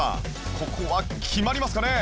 ここは決まりますかね？